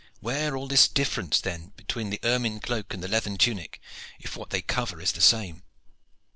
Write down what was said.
Where all this difference then between the ermine cloak and the leathern tunic, if what they cover is the same?"